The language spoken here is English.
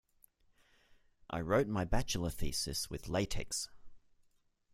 I wrote my bachelor thesis with latex.